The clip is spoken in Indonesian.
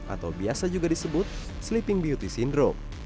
atau biasa juga disebut sleeping beauty syndrome